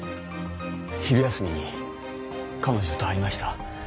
昼休みに彼女と会いました。